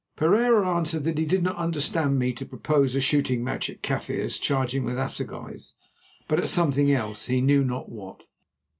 Pereira answered that he did not understand me to propose a shooting match at Kaffirs charging with assegais, but at something else—he knew not what.